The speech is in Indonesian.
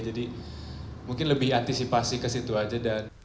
jadi mungkin lebih antisipasi ke situ aja dan